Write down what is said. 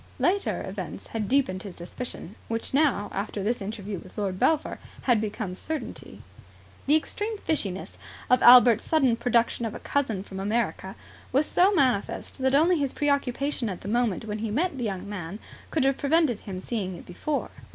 Later events had deepened his suspicion, which now, after this interview with Lord Belpher, had become certainty. The extreme fishiness of Albert's sudden production of a cousin from America was so manifest that only his preoccupation at the moment when he met the young man could have prevented him seeing it before.